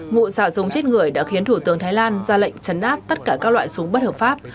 vụ xả súng chết người đã khiến thủ tướng thái lan ra lệnh trấn áp tất cả các loại súng bất hợp pháp